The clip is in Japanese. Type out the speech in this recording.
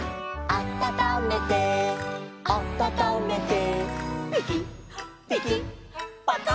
「あたためてあたためて」